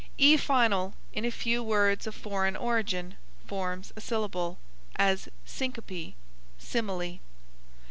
E final, in a few words of foreign origin, forms a syllable; as syncope, simile.